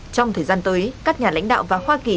trong thời gian tới các nhà lãnh đạo và hoa kỳ